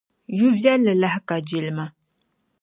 Yu'viɛlli lahi ka jilima.